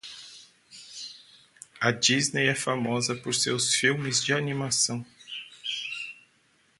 A Disney é famosa por seus filmes de animação.